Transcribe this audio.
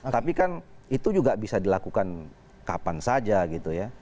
tapi kan itu juga bisa dilakukan kapan saja gitu ya